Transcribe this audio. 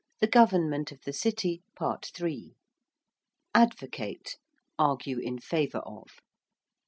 THE GOVERNMENT OF THE CITY. PART III. ~Advocate~: argue in favour of.